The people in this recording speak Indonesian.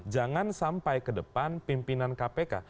jangan sampai ke depan pimpinan kpk